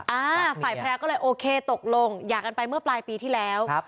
อ่าฝ่ายภรรยาก็เลยโอเคตกลงหย่ากันไปเมื่อปลายปีที่แล้ว